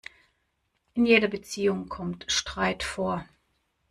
In jeder Beziehung kommt Streit vor.